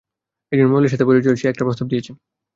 একজন মহিলার সাথে পরিচয় হয়েছে, সে একটা প্রস্তাব দিয়েছে।